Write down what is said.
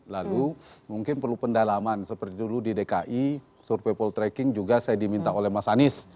lalu mungkin perlu pendalaman seperti dulu di dki survei poltreking juga saya diminta oleh mas anies